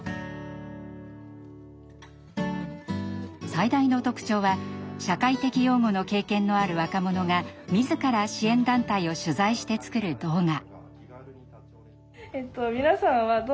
最大の特徴は社会的養護の経験のある若者が自ら支援団体を取材して作る動画。